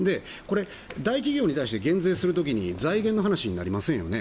大企業に対して減税する時に財源の話になりませんよね？